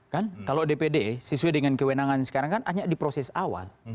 kan kalau dpd sesuai dengan kewenangan sekarang kan hanya di proses awal